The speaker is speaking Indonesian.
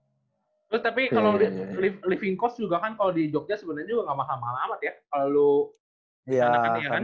terus tapi kalau living cost juga kan kalau di jogja sebenarnya juga nggak makan mahal amat ya kalau di sana kan ya kan